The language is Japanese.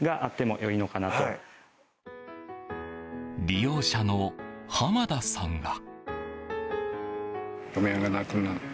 利用者の浜田さんは。